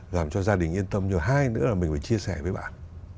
làm cho gia đình yên tâm nhưng hai nữa là mình phải chia sẻ với bạn